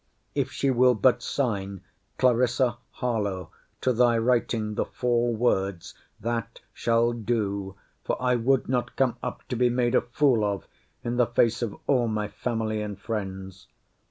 If she will but sign Cl. H. to thy writing the four words, that shall do: for I would not come up to be made a fool of in the face of all my family and friends.